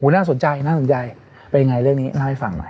น่าสนใจน่าสนใจเป็นยังไงเรื่องนี้เล่าให้ฟังหน่อย